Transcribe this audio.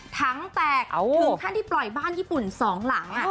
ถ้าที่ปล่อยบ้านญี่ปุ่น๒หลัง